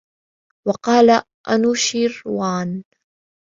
وَقَالَ أَنُوشِرْوَانَ